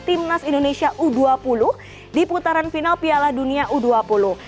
timnas indonesia u dua puluh di putaran final piala dunia u dua puluh